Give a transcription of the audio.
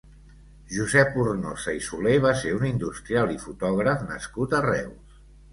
Josep Ornosa i Soler va ser un industrial i fotògraf nascut a Reus.